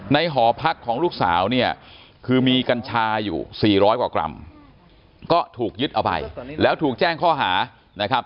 หอพักของลูกสาวเนี่ยคือมีกัญชาอยู่๔๐๐กว่ากรัมก็ถูกยึดเอาไปแล้วถูกแจ้งข้อหานะครับ